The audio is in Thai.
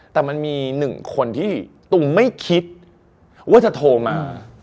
แต่มันมีหนึ่งคนที่ตุ๋มไม่คิดว่าจะโทรมา